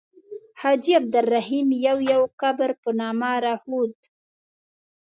حاجي عبدالرحیم یو یو قبر په نامه راښود.